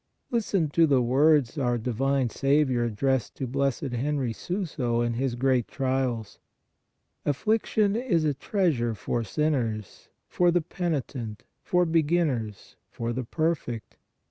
Listen to the words our divine Saviour addressed to Blessed Henry Suso in his great trials :" Af fliction is a treasure for sinners, for the penitent, for beginners, for the perfect.